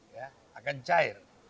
ya akan cair